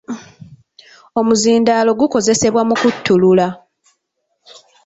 Omuzindaalo gukozesebwa mu kuttulula.